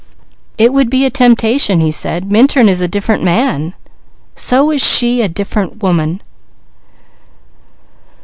"It would be a temptation," he said. "Minturn is a different man." "So is she a different woman!